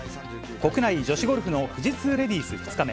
国内女子ゴルフの富士通レディース２日目。